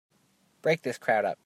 Break this crowd up!